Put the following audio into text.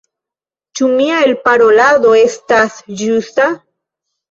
Ĉu mia elparolado estas ĝusta?